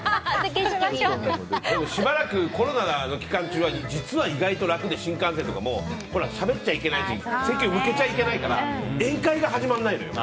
しばらくコロナの期間中は実は意外と楽で、新幹線とかもしゃべっちゃいけない席を向けちゃいけないから宴会が始まらないのよ。